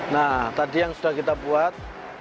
nah tadi yang sudah kita buat